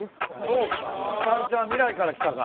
そうかヒカルちゃん未来から来たから。